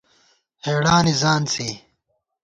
ہېڑانی ځانڅی